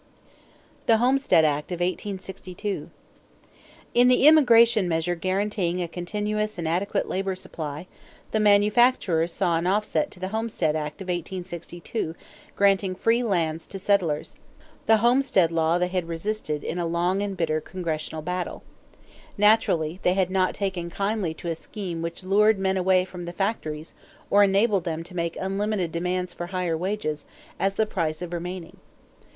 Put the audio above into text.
=The Homestead Act of 1862.= In the immigration measure guaranteeing a continuous and adequate labor supply, the manufacturers saw an offset to the Homestead Act of 1862 granting free lands to settlers. The Homestead law they had resisted in a long and bitter congressional battle. Naturally, they had not taken kindly to a scheme which lured men away from the factories or enabled them to make unlimited demands for higher wages as the price of remaining.